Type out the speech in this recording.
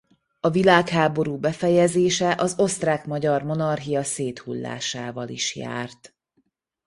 A világháború befejezése az Osztrák–Magyar Monarchia széthullásával is járt.